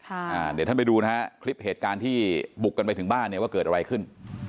เดี๋ยวท่านไปดูนะฮะคลิปเหตุการณ์ที่บุกกันไปถึงบ้านเนี่ยว่าเกิดอะไรขึ้น